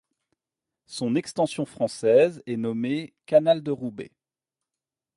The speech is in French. Son extension française est nommée canal de Roubaix.